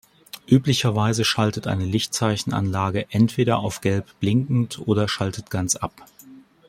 Üblicherweise schaltet eine Lichtzeichenanlage entweder auf "gelb-blinkend" oder schaltet ganz ab.